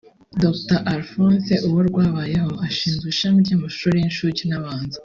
Dr Alphonse Uworwabayeho ushinzwe ishami ry’amashuri y’incuke n’abanza